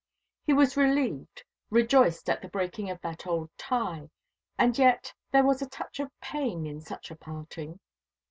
He was relieved, rejoiced at the breaking of that old tie, and yet there was a touch of pain in such a parting.